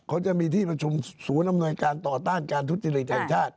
เขาจะมีที่ประชุมศูนย์อำนวยการต่อต้านการทุจริตแห่งชาติ